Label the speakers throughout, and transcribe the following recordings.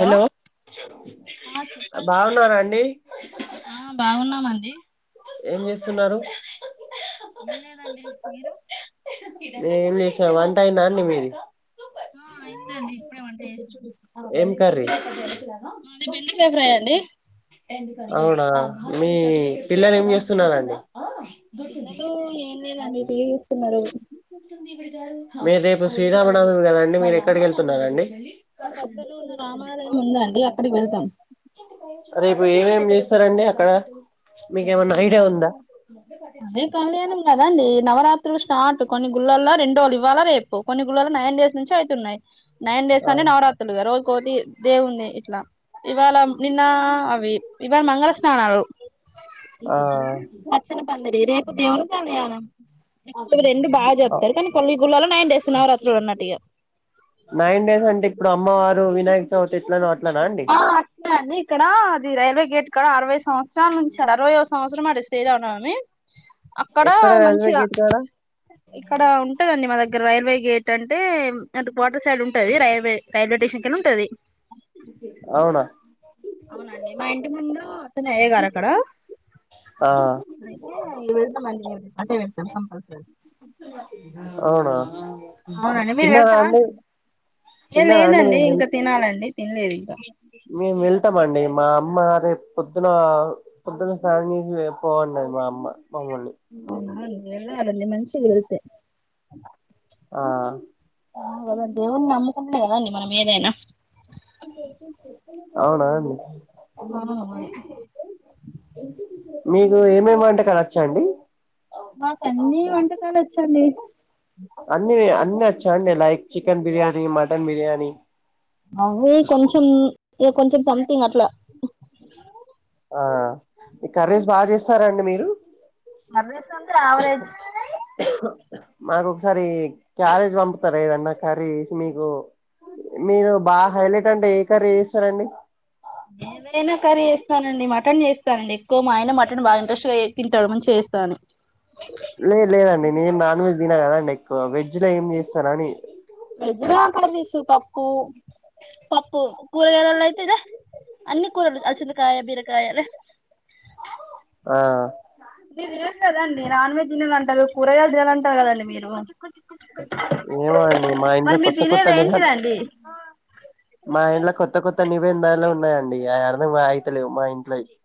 Speaker 1: Hello
Speaker 2: ఆ చెప్పండి
Speaker 1: బాగున్నారాండి
Speaker 2: డి
Speaker 1: ఏం చేస్తున్నారూ
Speaker 2: ఏం లేదండి మీరు
Speaker 1: మేం ఎంచెస్ వంట అయిందా అండి మీది
Speaker 2: ఆ అయ్యింది అండి
Speaker 1: ఏం కర్రి
Speaker 2: మాది బెండకాయ ఫ్రై అండి
Speaker 1: అవునా మీ పిల్లలు ఏం చేస్తున్నారండి
Speaker 2: పిల్లలు ఏం చేయలేదండి టీవీ చుస్తున్నారు
Speaker 1: మీరు రేపు శ్రీరామనవమి కదండి మీరు ఎక్కడిక వెళ్తున్నారండి
Speaker 2: మా దగ్గరలో ఉన్న రామాలయం ఉందండి అక్కడికి వెళ్తాం
Speaker 1: రేపు ఏమేమి చేస్తారండి అక్కడ మీకేమన్నా ఐడియా ఉందా
Speaker 2: అదే కళ్యాణం కదండి నవరా త్రులు స్టార్ట్ కొన్ని గుళ్ళల్లో రెండోళ్ళు ఇవాళ రేపు కొన్ని గుళ్ళలు నైన్ డేస్ నుంచి అయితున్నాయి నైన్ డేస్
Speaker 1: ఆ
Speaker 2: అని నవరాత్రులుగా రోజుకోటి దేవున్ది ఇట్లా ఇవాళ నిన్న అవి ఇవాళ మంగళ స్నానాలు
Speaker 1: ఆ
Speaker 2: పచ్చని పందిరి రెండు బాగా చెప్తారు కానీ కొన్నీ గుళ్లలో నైన్ డేస్ నవరాత్రి ఉన్నట్టు ఇగ
Speaker 1: నైన్ డేస్ అంటే ఇప్పుడు అమ్మవారు వినాయక చవితి ఎట్లనో అట్లనా అండి
Speaker 2: ఆ అట్లే అండి ఇక్కడ అది రైల్వే గేట్ కాడ అరవై సంవత్సరాల నుంచి అరవై ఓ సంవత్సరం అండి శ్రీ రామనవమి అక్కడ
Speaker 1: ఎక్కడ రైల్వే
Speaker 2: మంచిగా
Speaker 1: గేట్ కాడ
Speaker 2: ఇక్కడ ఉంటదండి మా దగ్గర రైల్వే గేట్ ట్ అంటే అటు కోటర్ సైడ్ ఉంటది రైల్వే రైల్వే స్టేషన్ కి ఉంటది
Speaker 1: అవునా
Speaker 2: అవునండి మా ఇంటి ముందు అతనే అయ్యేగారు అక్కడ
Speaker 1: ఆ
Speaker 2: అయితే వెళ్దాంమండి మేము అటే వెళ్తాం కంపల్సరీ
Speaker 1: అవునా తినరాండి
Speaker 2: లేద్ లేదండి ఇంకా తినాలండి తినలేదు ఇంకా
Speaker 1: ఇష్టమండి మా అమ్మ రేపు పొద్దున పొద్దున స్నానం చేసి పో అంది మా అమ్మ మమ్మల్ని
Speaker 2: అవునా ఎల్లలండి వెళ్తే మంచిది
Speaker 1: ఆ
Speaker 2: హా కదా దేవుని నమ్కున్నా కదాండి మన మీరేన
Speaker 1: అవునా
Speaker 2: ఆ మరి
Speaker 1: మీకు ఏమేమి వంటకాలు వచ్చండి
Speaker 2: మాకు అన్ని వంటకాలు వచ్చండి
Speaker 1: అన్ని అన్ని వచ్చాండి like chicken biryani mutton biryani
Speaker 2: అవి కొంచెం కొంచెం సంథింగ్ అట్లా
Speaker 1: ఆ కర్రీస్ బాగా చేస్తారండి మీరు
Speaker 2: కర్రీస్ అంటే యావరేజ్
Speaker 1: మాకు ఒకసారి క్యారేజ్ పంపుతార ఏదన్న కర్రీ మీకు మీరు బాగా హైలైట్ అంటే ఏ కర్రీ చేస్తారండి
Speaker 2: ఏవైన కర్రీ [unintelligible] మటన్ చేస్తానండి ఎక్కువ మా ఆయన మటన్ బాగా ఇంట్రెస్ట్ మంచిగా తింటాడు అని చేస్తాను
Speaker 1: లేదు లేదండి నేను నాన్ వెజ్ తిన కదండి ఎక్కువ వెజ్ లో ఏం చేస్తా అని
Speaker 2: వెజ్ లో కర్రీస్ పప్పు పప్పు కూరగాయల అయితే ఇద అన్ని కూరలు అలసంధకాయ్ బీరకాయ్ అలా
Speaker 1: ఆ
Speaker 2: [unintelligible] నాన్ వెజ్ కూరగాయలు తినారన్టారు కదండి మీరు
Speaker 1: [unintelligible]
Speaker 2: మరి మీరు తినేది ఏంటిదండి
Speaker 1: దాలో ఉన్నాయండి ఆ అర్థం మా అయితేలేవు మా ఇంట్లో అ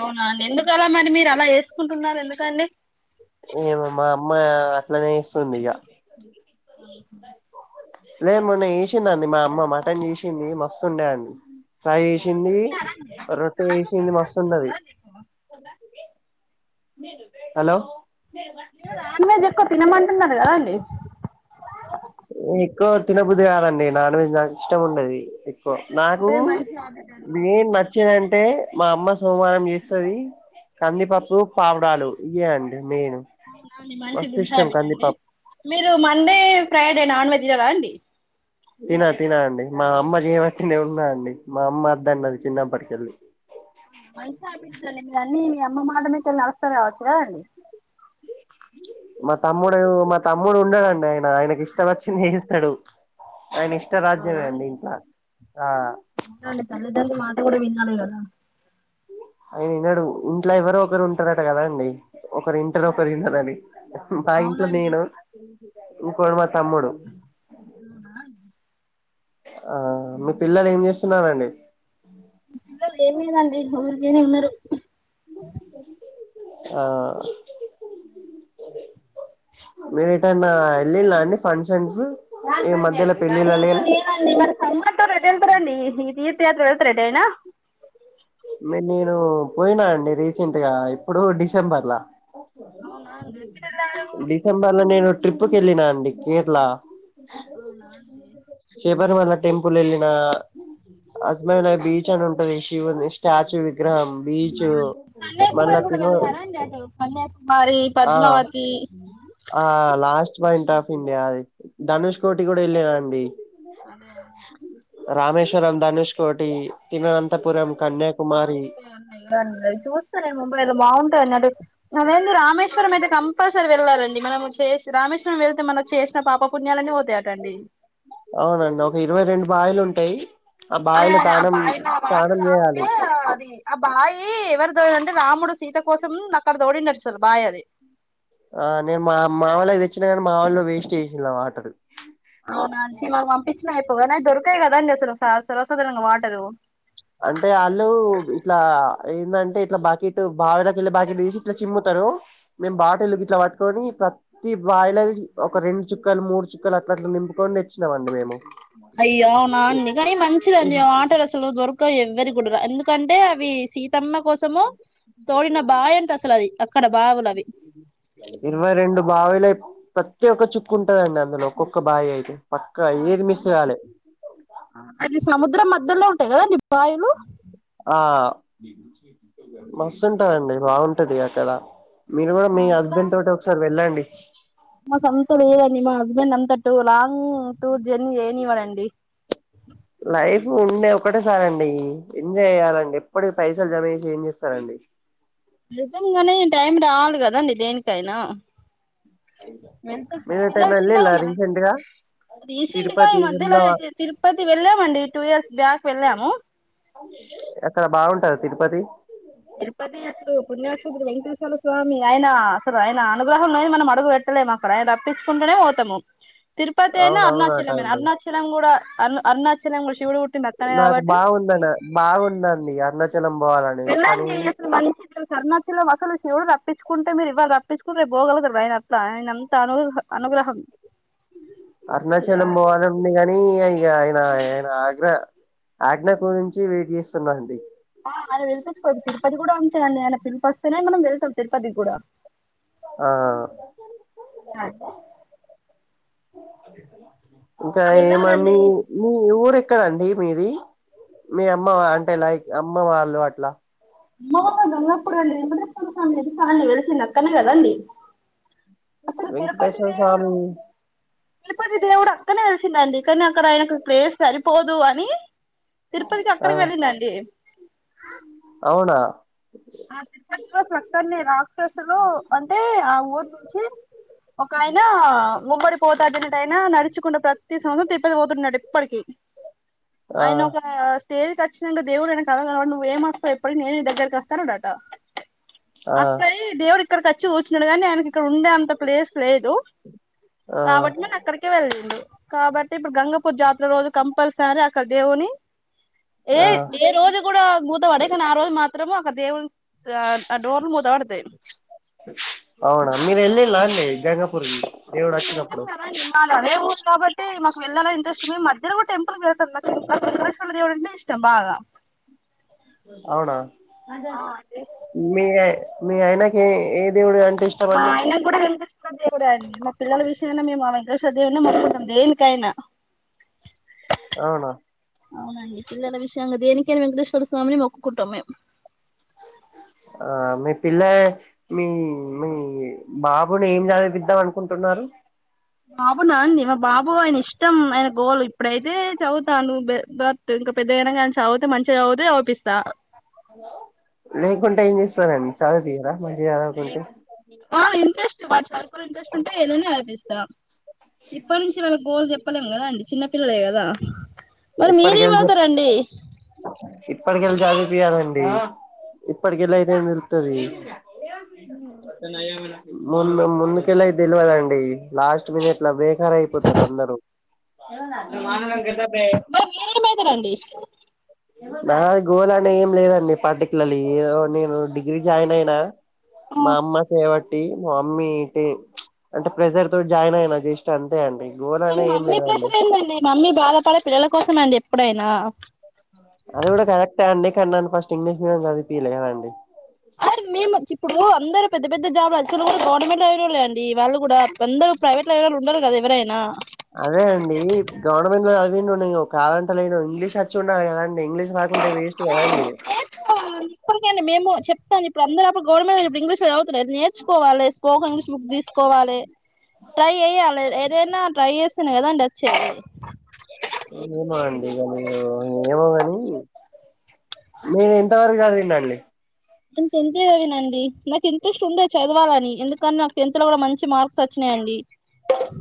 Speaker 2: అవునండి ఎందుక అలా మరి మీరు అలా వేసుకుంటున్నారు ఎందుకండి
Speaker 1: ఏమో మా అమ్మ అట్లనే ఇస్తుంది ఇగ
Speaker 2: ఆ
Speaker 1: లే మొన్న చేసింది అండి మా అమ్మ మటన్ చేసింది మస్తుండేయండి చేసింది మస్తున్నది
Speaker 2: [inaudible]
Speaker 1: హలో
Speaker 2: మీ నాన్ వెజ్ ఎక్కువ తినమంటున్నారు కదా అండి
Speaker 1: ఎక్కువ తినబుద్ధి కాదండి నాన్ వెజ్ నాకు ఇష్టం ఉండది నాకు
Speaker 2: అదే మంచి హ్యాబిట్ అండి
Speaker 1: మెయిన్ నచ్ అంటే మా అమ్మ సోమవారం చేస్తది కందిపప్పు పావుడాలు ఇవే అండి మెయిన్
Speaker 2: అవునవును మంచి
Speaker 1: మస్తు
Speaker 2: దని
Speaker 1: ఇష్టం
Speaker 2: హాబిట్ అండి
Speaker 1: కందిపప్పు
Speaker 2: మీరు మండే ఫ్రైడ్ నాన్ వెజ్ కదా అండి
Speaker 1: తిన తిన అండి మా అమ్మ జమ తనే ఉన్నా అండి మా అమ్మ అద్ద అన్నది చిన్నప్పటికెళ్ళి
Speaker 2: మంచి హ్యాబిట్స్ అండి మీరు అన్ని మీ అమ్మ మాట మీకి వెళి నడుస్తారు కావచ్చు కద అండి
Speaker 1: మా తమ్ముడు మా తమ్ముడు ఉన్నాడంండి ఆయన ఆయనకి ఇష్టపచ్చింది ఏస్తాడు ఆయన ఇష్ట రాజ్యమే అండి ఇంట్ల ఆ
Speaker 2: [unintelligible] మాట కూడ వినాలికద
Speaker 1: ఆయన వినడు ఇంట్లో ఎవరో ఒకరు ఉంటారట కదా అండి ఒకరు ఇంటరు ఒకరు వినరని మా ఇంట్లో నేను ఇకోడు మా తమ్ముడు ఆ మీ పిల్లలు ఏం చేస్తున్నారండి
Speaker 2: మా పిల్లోలు ఏంచేయలే అండి ఊరిగేన్ ఉన్నారు
Speaker 1: ఆ మీరు రెటైన వెళ్ళిళ్ళ అండి ఫంక్షన్స్ ఈ [unintelligible]
Speaker 2: అ అట్ట వెతారండి ఈ తీర్థయాత్ర వెళ్తారా ఎటు అయిన
Speaker 1: నేను పోయినా అండి రీసెంట్ గా ఇప్పుడు డిసెంబర్లా
Speaker 2: అవునా [unintelligible]
Speaker 1: ట్రిప్కి వెళ్ళినా అండి కేరళ
Speaker 2: అవున అండి
Speaker 1: చిబరిమళ్ళ టెంపుల్ వెళ్ళిన అజమయి బీచ్ అని ఉంటది శివ స్టాచ్యూ గ్గరా బీచ్ మల్ల తిను
Speaker 2: మరి
Speaker 1: ఆ
Speaker 2: పద్మావతి
Speaker 1: ఆ లాస్ట్ పాయింట్ ఆఫ్ ఇండియా అది ధనుష్ కోటి గూడ ఏళ్లిన అండి
Speaker 2: అదే అదే
Speaker 1: రామేశ్వరం, ధనుష్కోటి, తిర్నంతపురం కన్య
Speaker 2: బావుంటయిన్నయిన్నది చూస్త గద ముంబై లో బావుంటయి అన్నట్ డి మేమేంది రామేశ్వరం అయితే కంపల్సరీ వెళ్ళాలండి మనము చేసి రామేశ్వరం వేళ్తే మన చేసిన పాప ప పుణ్యాలన్నీ పోతయట అండి
Speaker 1: అవునండి ఒక ఇరవై రెండు బాయిలుంటయ్
Speaker 2: అదే అదే ఆ బాయిల వాటర్ తాగుతే
Speaker 1: చేయాలి
Speaker 2: అది ఆ బాయీ ఎవరు దోడిల్లంటే రాముడు సీత కోసం అక్కడ దోదిండటసలు బాయి అది
Speaker 1: ఆ నేను మా మా వోళ్ళకు తెచ్చినా గనీ మా వోళ్ళు వేస్ట్ చేసిళ్ళు ఆ వాటర్
Speaker 2: అవునా చ్చి మాకు పంపించిన అయిపోవు, కని అవి దొరకయి గదా అండి అసలు స సర్వసధరణంగా వాటరు
Speaker 1: అంటే ఆల్లూ ఇట్లా ఎందంటే ఇట్ల బాకీటు బావులకెళ్ళి బాకీట్ దీసి ఇట్ల చిమ్ముతరు. రూ మేము బాటళ్ళు గిట్ల పట్టుకొని ప్రతీ బాయిలయ్ ఒక రెండు చుక్కలు మూడు చుక్కలట్ల అట్ల నింపుకోని దెచ్చినమండి మేము.
Speaker 2: అయ్యో అవునా అండి కనీ
Speaker 1: ఇ
Speaker 2: మంచిదండి ఆ వాటరసలు దొరక్ క ఎవ్వరీ గుండుగ, ఎందుకంటే అవి సీతమ్మ కోసము తోడిన బాయ్ అంటసలు అది అక్కడ బావులు అవి
Speaker 1: ఇరువై రెండు బావులయ్ ప్రత్తి ఒక్క చుక్కు ఉంటదండి అందులో ఒక్కొక్క బాయియయితే
Speaker 2: అవునా అండి అది సముద్రం మధ్యలో ఉంటయి గదండి బాయిలు?
Speaker 1: ఆ, మస్తుంటదండి బాగుంటది అక్కడ. మీరు గూడా మీ హస్బెండ్ తోటి ఒకసారి వెళ్ళండి
Speaker 2: మాకంత లేదండి మా హస్బెండ్ అంత టూ లాంగ్ టూర్ జర్నీ జేయనివ్వడండి.
Speaker 1: లైఫ్ ఉండేద్ ఒక్కటే సారండి, ఎంజాయ్ జేయ్యాలండి ఎప్పటికి పైసలు జమ చేసి ఏం జేస్తరండి?
Speaker 2: చేద్దం గనీ టైం రావాలి గదండి దేనికైనా వెళ్తమ్
Speaker 1: మీరు
Speaker 2: పిల్లలు
Speaker 1: ఎటైనా
Speaker 2: చిన్నగ
Speaker 1: వెళ్ళిలా
Speaker 2: ఉన్నర్ గదన్
Speaker 1: రీసెంట్ గా
Speaker 2: రీసెంట్ గా ఈ
Speaker 1: తిరుపతి
Speaker 2: మధ్యలో
Speaker 1: వేములవా
Speaker 2: ఐతే తిరుపతి వెళ్ళామండి టూ ఇయర్స్ బ్యాక్ వెళ్ళాము.
Speaker 1: ఆక్కడ బాగుంటద తిరుపతి?
Speaker 2: తిరుపతి ఎప్పుడు పుణ్యక్షేత్రం వెంకటేశ్వర స్వామి, ఆయన అసలు ఆయన అనుగ్రహంలేనిది మనం అడుగు బెట్ ట్ట లేమక్కడ ఆయన రప్పించుకుంటనే పోతము. తిరుపతి అయినా,
Speaker 1: అవునవునట
Speaker 2: అరుణాచలమయినా.
Speaker 1: అండి
Speaker 2: అరుణాచలం గూడా అర్న్ అరుణాచలం విష్
Speaker 1: నాకు బాగుందన బాగుందండి అర్నాచల్
Speaker 2: వెళ్ళండి అసలు మనిషి [unintelligible] అరుణాచలం అసలు శివుడు రప్పించుక్ కుంటే మీరు ఇవాళ రప్పించుకుంటే రెప్పో గలుగుతరు ఆయన అట్ల, ఆయన అంత అనుహ అనుగ్రహం
Speaker 1: అరుణాచలం బోవాలనుంది గనీ ఇగ ఎ న ఆయన ఆగ్రా ఆజ్ఞ గురించి వెయిట్ జేస్తున్న అండి.
Speaker 2: ఆ ఆయన పిల్పిచుకోడు తిరుపతి గూడా అంతే అండి ఆయన పిలుపస్తేనే మనం వెళ్తాం తిరుపతిగ్గుడా.
Speaker 1: ఆ ఇంకా ఏ మ మీ,
Speaker 2: వెళ్ళాలండి
Speaker 1: మీ ఊరెక్ ఎక్కడండి మీది, మీ అమ్మ వా అంటే లైక్ అమ్మ వాళ్ళు అట్లా
Speaker 2: అమ్మో [unintelligible] గప్పుడు వేంకటేశ్వర స్వామి తెలుసా అండి వెలసిందక్కడ్నే గదండి అక్కడు తిరుపతి
Speaker 1: వెంకటేశ్వర
Speaker 2: దేవుడు
Speaker 1: స్వామి
Speaker 2: తిరుపతి దేవుడు అక్కన్నే వెలసిన్ చిండండి కనక్కడ ఆయనకు ప్లేస్ సరిపోదు అని తిరుపతికి
Speaker 1: ఆ
Speaker 2: అక్కడికి వెళ్ళిండండి.
Speaker 1: అవునా
Speaker 2: ఆ తిరుపతిలో ప్రక్కనే రాక్షసులూ అంటే ఆ ఊరు నుంచి ఒకయినా ముమ్మడి పోత్రాజనేటాయనా నడుచుకుంట ప్ర తి సంవత్సరం తిర్పతి పోతుండట ఎప్పటికీ
Speaker 1: ఆ
Speaker 2: ఆయన ఒకా స్టేజ్ చ్చినంక దేవుడు ఆనెకు కలలోగనపడి నువ్వు ఏమస్తవు ఎప్పడకి నేనే దగ్గరకి అస్త అన్నడట.
Speaker 1: ఆ
Speaker 2: అత్తయి దేవుడు ఇక్కడకిచ్చి కూర్చున్నడు గాని, నేను ఆయనకి ఇక్కడ ఉండే అంత ప్లేస్ లేదు
Speaker 1: ఆ
Speaker 2: కాబట్టి నేను అక్కడికే వెళ్ళిండు. కాబట్టి ఇప్పుడు గంగపూర్ జాతర రోజు కంపల్సరరీ అక్కడ దేవుని ఏ
Speaker 1: ఆ
Speaker 2: ఏ రోజు కూడా మూత వడై కానీ ఆ రోజు మాత్రము అక్కడ దేవుని ఆ డోర్లు మూత పడతాయి
Speaker 1: అవునా మీరు వెళ్ళిలా అండి. గంగాపూర్కి దేవుడు
Speaker 2: మేము వెళ్తాం
Speaker 1: వచ్చినప్పుడు
Speaker 2: కదండి, మాదదే ఊర్ కాబట్టి మాకు వెళ్ళాలని ఇంట్రెస్ట్ మేము మధ్యలో కూడా టెం మాకు వెంకటేశ్వర దేవుడు అంటేనే ఇష్టం బాగా
Speaker 1: అవునా మీ ఆ మీ ఆయనకి ఏ దేవుడు అంటే ఇష్టం
Speaker 2: మా
Speaker 1: అండి
Speaker 2: ఆయన కూడా వెంకటేశ్వర దేవుడే అండి, మా పిల్లల విష చ్చి నన్న మేము ఆ వెంకటేశ్వర దేవున్నే మొక్కుతాం దేనికైనా.
Speaker 1: అవునా
Speaker 2: అవునండి పిల్లల విషయంగ దేనికైనా వెంకటేశ్వర స్వామిని మొక్కుకుంటాం మేం
Speaker 1: ఆ మీ పిల్ల మీ మీ బాబుని ఏం చదిపిద్దాం అనుకుంటున్నారు
Speaker 2: బాబు నా అండి, మా బాబు అయిన ఇష్ ఇష్టం అయిన గోల్, ఇప్పుడైతే చదువుతాను బే బర్త్ ఇంకా పెద్దైనా కానీ చదువుతే మంచిగా చదువుతే చదువుపి స్తా
Speaker 1: లేకుంటే ఏం చేస్తారండి చదువు తీయరా మంచి చేదవకుంటే
Speaker 2: చా ఇంట్రెస్ట్ ఉంటే ఏదైనా ఆపిస్తాం, ఇప్పటి నుంచి వాళ్ళకి గోల్ చెప్పలేం కదా అండి చిన్ పిల్లలే కదా, మరి
Speaker 1: ఇప్పటికెళ్ళి చెప్
Speaker 2: మీరేమవుతారండి?
Speaker 1: ఇప్పటికెళ్ళి చదువుపీయలండి ఇప్పటికెళ్ళయితే పెరుగుతది. ముందు ముందుకెళ్ళయ్ తెలివదండి లాస్ట్ మినిట్ ఇట్ల బేకరయిపోతారు అందరు.
Speaker 2: మీరేమయిత రండి?
Speaker 1: నాది గోల్ అనే ఏం లేదండి పర్టికులర్లీ ఏదో నేను నీ డిగ్రీ జాయిన్ అయినా, మా అమ్మ చేయబట్టి మా మ్మీ తే అంటే ప్చ్ ప్రెజర్ తో జాయిన్ అయిన జస్ అంతే అండి. గోల్ అని ఏం
Speaker 2: మమ్మీ
Speaker 1: లేదండి
Speaker 2: ప్రెషర్ ఏంటిదండి? మమ్మీ బాధపడే పిల్లల కోసమ అండి ఎప్పుడైనా.
Speaker 1: అది కూడా కరెక్టే అండి, కని నన్ను ఫస్ట్ ఇంగ్లీష్ మీడియం చదిలే కదా అండి.
Speaker 2: అది మేము ఇప్పుడు అందరు పెద్ద పెద్ద జాబు అచ్చిన కూడా గవర్నమెంట్ లో చదివినోల్లే కదా అండి వాళ్ళు కూడా, అందరూ ప్రైవేట్ ల చదివినోళ్లు ఉండరు కద ఎవరైనా
Speaker 1: అదే అండి గవర్నమెంట్ లో చదివిండు నేను కాదంట లేను, ఇంగ్లీష్ అచ్చి ఉండాలి కదండి ఇంగ్లీష్ రా
Speaker 2: నేర్చుకోవాలి ఇప్పటికండి మేము చెప్తాను ఇప్పుడు అందరూ అప్పుడు గవర్నమెంట్ ఇంగ్లీష్ చవుతులేద నేర్చువాలె స్పోకన్ ఇంగ్లీష్ బుక్ తీసుకోవాలె ట్రై ఏయ్యాలె ఏదైనా ట్రై చేస్ చిన కదా అండి అచ్చేది
Speaker 1: ఏమో అండి మీరు ఏమో గని మీరు ఎంతవరకు చదివింరండి
Speaker 2: నేను టెన్త్ ఏ చదివిన అండి, నాకు ఇంట్రెస్ట్ ఉండే చదవాలని ఎందుకన్న నాకు టెన్త్ లో కూడా మంచి మార్క్స్ వచ్చినయ్ అండి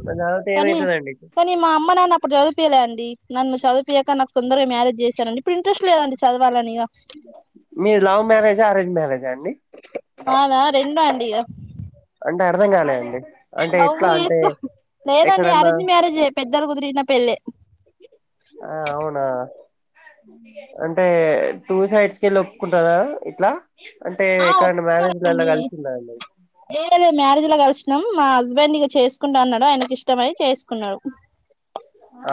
Speaker 1: మరి తర్వాత
Speaker 2: కానీ
Speaker 1: ఏమైతదండి
Speaker 2: కానీ మా అమ్మ నాన్న ఇప్పుడు చదిపియలే అండి, నన్ను చదువు పియక నాకు తొందరగా మ్యారేజ్ చేశారండి, ఇప్పుడు ఇంట్రెస్ట్ లేదండి చదవాలని ఇగ
Speaker 1: జండి
Speaker 2: నాదా రెండు అండి ఇగ
Speaker 1: అంటే అర్థం కాలే అండి. అంటే ఎట్లా
Speaker 2: లవ్వు
Speaker 1: అంటే
Speaker 2: చేసుకో లేదండి
Speaker 1: ఎక్కడన్నా
Speaker 2: అరేంజ్ మ్యారేజే పెద్దలు కుదిరిన పెళ్ళే
Speaker 1: ఆ అవునా అంటే టూ సైడ్స్ కెళ్ళి ఒప్పుకుంటరా ఇట్లా? అంటే
Speaker 2: ఆ
Speaker 1: ఎక్కడన్నా మ్యారేజ్లలా
Speaker 2: ఒప్పుకున్నరండి,
Speaker 1: కలిసిందా అండి
Speaker 2: ఏడ లేదు మ్యారేజ్ లా కలిసినం నం మా హస్బెండ్ ఇగ చేసుకుంటా అన్నడు, ఆయనకి ఇష్టం మయి చేసుకున్నడు.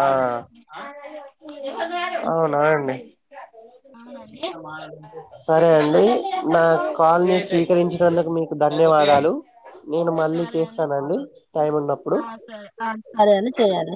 Speaker 1: ఆ అవునా అండి [inaudible] సరే అండి, నా కాల్ ని, స్వీకరించినందుకు మీకు ధన్యవాదాలు. నేను మళ్ళీ చేస్తానండి, టైం ఉన్నప్పుడు.
Speaker 2: సరే అని చేయాలి